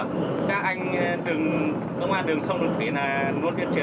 các anh công an đường sông đường thủy là luôn tuyên truyền cho anh em ở đường đòi về sông đường thủy luôn